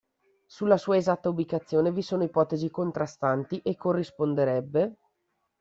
Sulla sua esatta ubicazione vi sono ipotesi contrastanti e corrisponderebbe